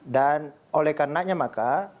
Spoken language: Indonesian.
dan olehkannya maka